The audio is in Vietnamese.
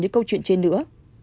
như câu chuyện trên nữa